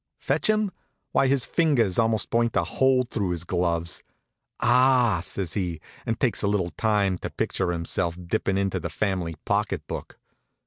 Fetch him? Why, his fingers almost burnt a hole through his gloves. "Ah h h!" says he, and takes a little time out to picture himself dippin' into the family pocket book.